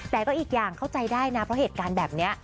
แต่ก็อีกอย่างเข้าใจได้นะเพราะเหตุการณ์แบบนี้